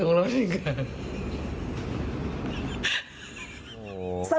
มันล้นออกมาจากดวงตาตาอันเขียวของเรา